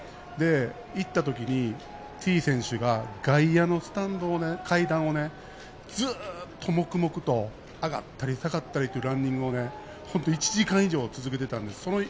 行ったときにＴ選手が外野スタンドの階段を、ずーっと黙々と上がったり下がったりというランニングを本当に１時間以上続けていたんです。